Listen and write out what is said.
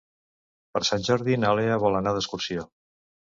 Per Sant Jordi na Lea vol anar d'excursió.